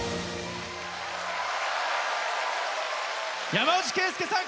山内惠介さん